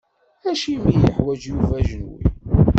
Acimi i yeḥwaǧ Yuba ajenwi?